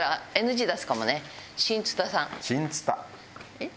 えっ？